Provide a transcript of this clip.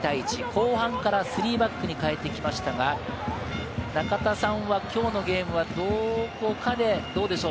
後半から３バックに変えてきましたが、中田さんはきょうのゲームはどこかで、どうでしょう？